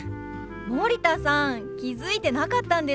森田さん気付いてなかったんですか？